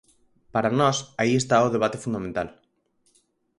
Para nós, aí está o debate fundamental.